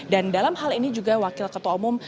dan dalam hal ini juga wakil ketua umum